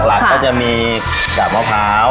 หลักก็จะมีกาบมะพร้าว